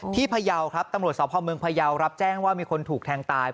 พยาวครับตำรวจสพเมืองพยาวรับแจ้งว่ามีคนถูกแทงตาย